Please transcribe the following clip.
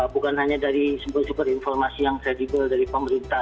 bukan hanya dari super super informasi yang credible dari pemerintah